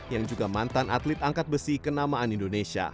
yang juga mantan atlet angkat besi kenamaan indonesia